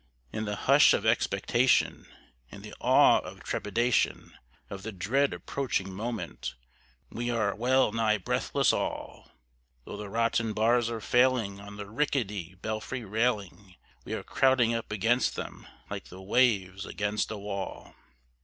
In the hush of expectation, in the awe and trepidation Of the dread approaching moment, we are well nigh breathless all; Though the rotten bars are failing on the rickety belfry railing, We are crowding up against them like the waves against a wall.